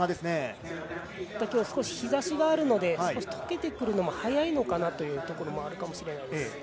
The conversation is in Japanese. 今日は少し日ざしがあるので溶けてくるのも早いのかなというところもあるのかもしれないです。